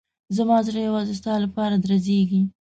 زما زړه یوازې ستا لپاره درزېږي.